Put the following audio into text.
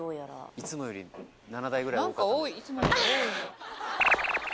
［いつもより７台ぐらい多かったの？］